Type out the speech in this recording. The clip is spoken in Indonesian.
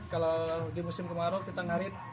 kalau di musim kemarau kita ngarit